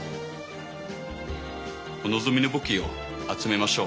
お望みの武器を集めましょう。